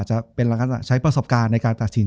จบการโรงแรมจบการโรงแรม